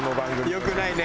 良くないね。